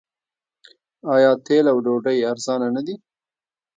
آیا تیل او ډوډۍ ارزانه نه دي؟